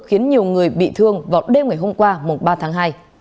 khiến nhiều người bị thương vào đêm ngày hôm qua ba tháng hai